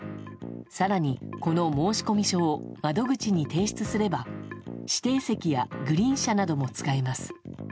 更に、この申込書を窓口に提出すれば指定席やグリーン車なども使えます。